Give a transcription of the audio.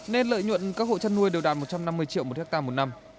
nên lợi nhuận các hộ chăn nuôi đều đạt một trăm năm mươi triệu một hectare một năm